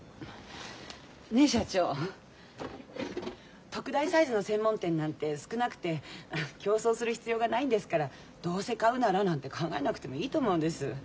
ねえ社長特大サイズの専門店なんて少なくて競争する必要がないんですからどうせ買うならなんて考えなくてもいいと思うんです。